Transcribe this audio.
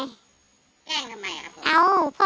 แกล้งทำไมครับ